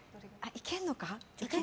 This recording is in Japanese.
いけるのか。